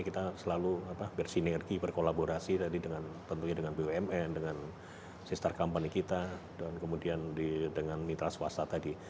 kita selalu bersinergi berkolaborasi tadi dengan tentunya dengan bumn dengan si star company kita dan kemudian dengan mitra swasta tadi